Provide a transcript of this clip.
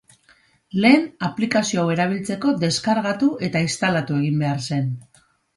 Lehen, aplikazio hau erabiltzeko deskargatu eta instalatu egin behar zen.